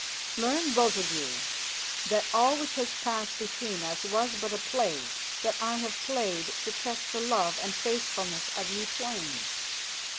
Learn both of you that all which has passed between us was but a play that I have played to test the love and faithfulness of you twain.